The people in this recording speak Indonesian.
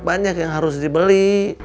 banyak yang harus dibeli